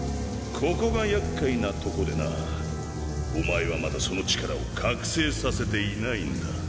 ここが厄介なとこでなお前はまだその力を覚醒させていないんだ。